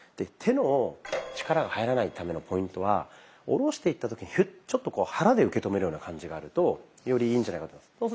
手の力が入らないためのポイントは下ろしていった時にヒュッちょっとこう肚で受け止めるような感じがあるとよりいいんじゃないかと思います。